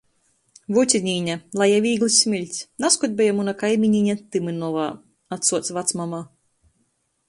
"Vucinīne, lai jai vīglys smiļts, nazkod beja muna kaiminīne Tymynovā," atsuoc vacmama.